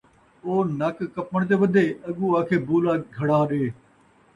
او نک کپݨ تے ودے اڳوں آکھے بولا گھڑا ݙے